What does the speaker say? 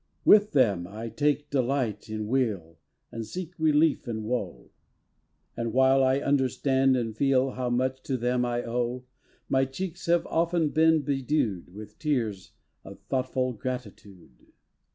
1 1 10 GEORGIAN VERSE With them I take delight in weal, And seek relief in woe; And while I understand and feel How much to them I owe, My cheeks have often been bedew'd With tears of thoughtful gratitude.